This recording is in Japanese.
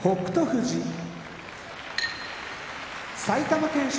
富士埼玉県出身